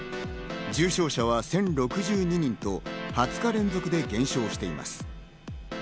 重症者は１０６２人と２０日連続で減少しています。